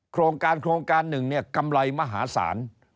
โครงการหนึ่งเนี่ยกำไรมหาสาร